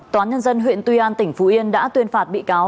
toán nhân dân huyện tuy an tỉnh phú yên đã tuyên phạt bị cáo